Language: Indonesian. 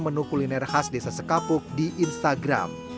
dengan niat terbenam